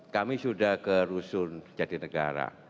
kami sudah ke rusun jati negara